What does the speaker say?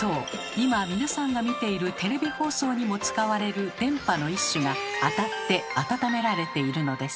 今皆さんが見ているテレビ放送にも使われる電波の一種が当たって温められているのです。